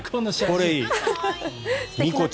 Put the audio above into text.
これいい。